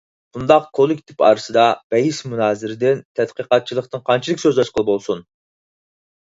بۇنداق كوللىكتىپ ئارىسىدا بەھس مۇنازىرىدىن، تەتقىقاتچىلىقتىن قانچىلىك سۆز ئاچقىلى بولسۇن؟!